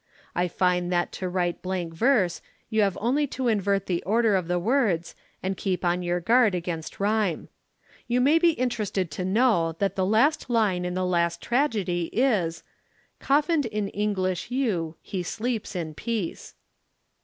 I find that to write blank verse you have only to invert the order of the words and keep on your guard against rhyme. You may be interested to know that the last line in the last tragedy is: 'Coffined in English yew he sleeps in peace.'